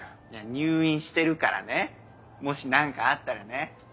入院してるからねもし何かあったらね。